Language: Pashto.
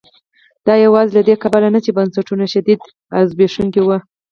دا یوازې له دې کبله نه چې بنسټونه شدیداً زبېښونکي وو.